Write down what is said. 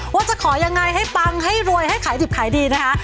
ว่าจะขอยังไงให้ปังให้รวยให้ขายดิบขายดีนะคะ